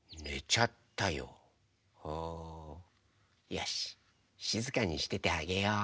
よししずかにしててあげよう。